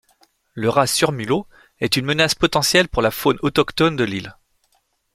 Le rat surmulot est une menace potentielle pour la faune autochtone de l'île.